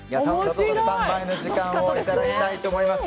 スタンバイの時間をいただきたいと思います。